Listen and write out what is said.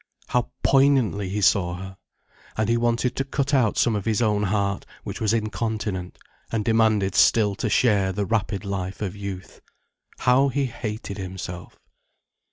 How poignantly he saw her! And he wanted to cut out some of his own heart, which was incontinent, and demanded still to share the rapid life of youth. How he hated himself.